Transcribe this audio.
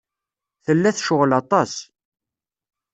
Tella tecɣel aṭas.